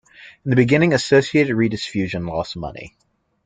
In the beginning, Associated Rediffusion lost money.